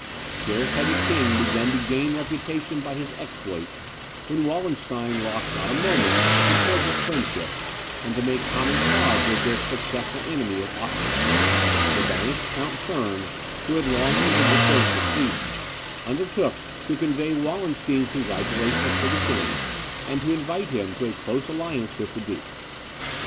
Scarce had the king begun to gain reputation by his exploits, when Wallenstein lost not a moment to court his friendship, and to make common cause with this successful enemy of Austria. The banished Count Thurn, who had long entered the service of Sweden, undertook to convey Wallenstein's congratulations to the king, and to invite him to a close alliance with the duke.